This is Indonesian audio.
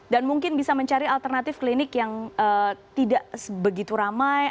dan mungkin bisa mencari alternatif klinik yang tidak begitu ramai